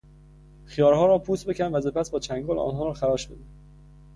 خیارها را پوست بکن و سپس با چنگال آنها را خراش بده.